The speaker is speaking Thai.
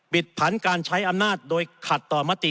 ดผันการใช้อำนาจโดยขัดต่อมติ